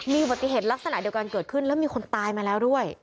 มีอุบัติเหตุลักษณะเดียวกันเกิดขึ้นแล้วมีคนตายมาแล้วด้วย